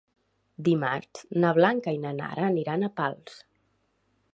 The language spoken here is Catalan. Dimarts na Blanca i na Nara aniran a Pals.